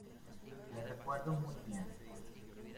le recuerdo muy bien.